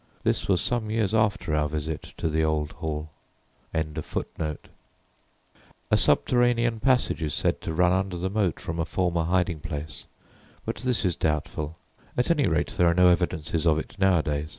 This was some years after our visit to the old Hall.] A subterranean passage is said to run under the moat from a former hiding place, but this is doubtful; at any rate, there are no evidences of it nowadays.